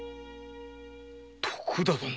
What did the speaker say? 徳田殿！